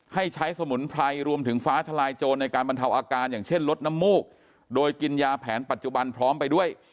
ให้ใช้สมุนไพรรวมถึงฟ้าทลายโจรในการบรรเทาอาการอย่างเช่นลดน้ำมูกโดยกินยาแผนปัจจุบันพร้อมไปด้วย